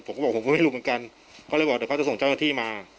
ผมก็บอกผมก็ไม่รู้เหมือนกันเขาเลยบอกเดี๋ยวเขาจะส่งเจ้าหน้าที่มา